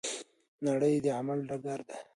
نړۍ د عمل ډګر دی.